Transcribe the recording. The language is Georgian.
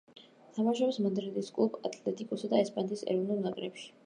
თამაშობს მადრიდის კლუბ „ატლეტიკოსა“ და ესპანეთის ეროვნულ ნაკრებში.